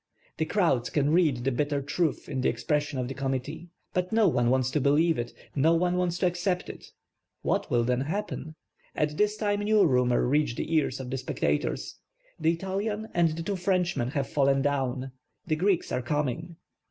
The crowds can read the bitter truth in the expres sion of the committee. But no one wants to believe it, no one wants to accept it. What will then happen? At this time new rumors reach the ears of the spectators. The Italian and the two Frenchmen have fallen down. The Greeks are coming.